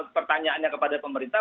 pertanyaannya kepada pemerintah